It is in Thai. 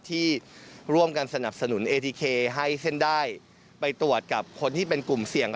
ที่ร่วมกันสนับสนุนเอทีเคให้เส้นได้ไปตรวจกับคนที่เป็นกลุ่มเสี่ยง